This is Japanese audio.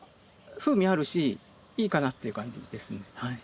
風味あるしいいかな」っていう感じですね。